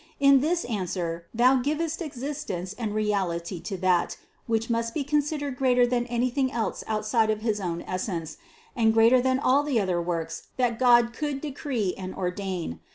In this answer Thou givest existence and reality to that, which must be considered greater than anything else outside of his own essence, and greater than all the other works that God could de cree and ordain.